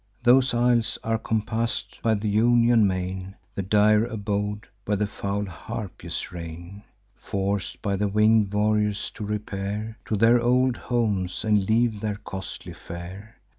Those isles are compass'd by th' Ionian main, The dire abode where the foul Harpies reign, Forc'd by the winged warriors to repair To their old homes, and leave their costly fare.